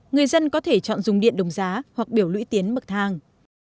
người dân có thể chọn dùng điện đồng giá hoặc biểu lũy tiến bậc thang